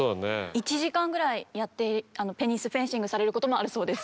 １時間ぐらいやってペニスフェンシングされることもあるそうです。